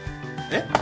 えっ？